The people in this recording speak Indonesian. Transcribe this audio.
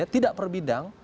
tidak per bidang